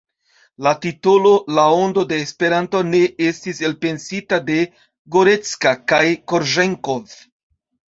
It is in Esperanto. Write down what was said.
La titolo La Ondo de Esperanto ne estis elpensita de Gorecka kaj Korĵenkov.